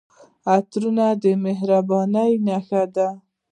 عطرونه د مهربانۍ نښه ده.